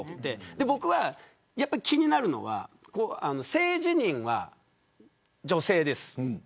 僕が気になるのは性自認は女性です